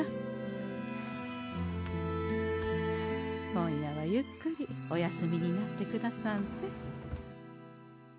今夜はゆっくりお休みになってくださんせ。